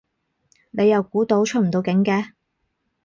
你又估到出唔到境嘅